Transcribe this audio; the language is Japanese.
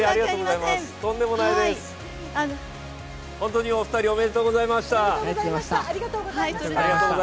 ホントにお二人、おめでとうございました。